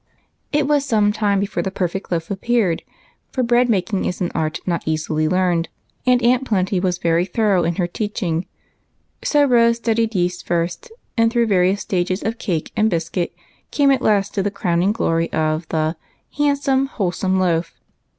It was some time before the perfect loaf appeared, for bread making is an art not easily learned, and Aunt Plenty was very thorough in her teaching; so Rose studied yeast first, and through various stages of cake and biscuit came at last to the crowning glory of the "handsome, wholesome loaf."